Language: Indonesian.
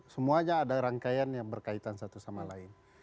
semuanya ada rangkaian yang berkaitan satu sama lain